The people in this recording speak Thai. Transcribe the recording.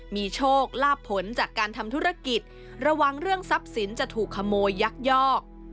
มีโชคลาบผลจากการทำธุรกิจระวังเรื่องทรัพย์สินจะถูกขโมยยักยอก